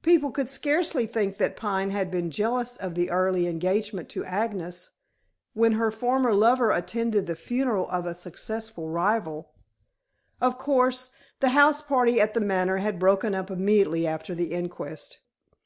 People could scarcely think that Pine had been jealous of the early engagement to Agnes, when her former lover attended the funeral of a successful rival. Of course, the house party at The Manor had broken up immediately after the inquest.